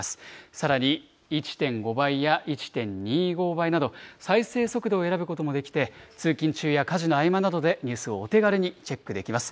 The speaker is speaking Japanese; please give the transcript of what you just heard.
さらに１．５倍や１．２５倍など、再生速度を選ぶこともできて、通勤中や家事の合間などでニュースをお手軽にチェックできます。